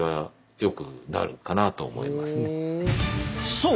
そう！